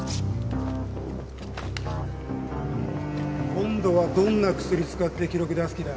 今度はどんな薬使って記録出す気だ？